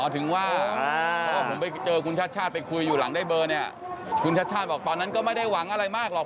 ถึงว่าเพราะว่าผมไปเจอคุณชาติชาติไปคุยอยู่หลังได้เบอร์เนี่ยคุณชาติชาติบอกตอนนั้นก็ไม่ได้หวังอะไรมากหรอก